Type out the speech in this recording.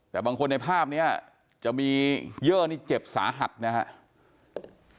แต่บางคนในภาพนี้จะมีเยอร์นี่เจ็บสาหัสนะครับ